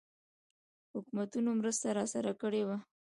حکومتونو مرسته راسره کړې وه.